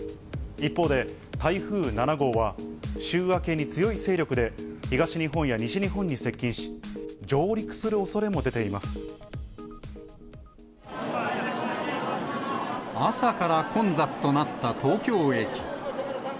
一方で、台風７号は週明けに強い勢力で東日本や西日本に接近し、上陸する朝から混雑となった東京駅。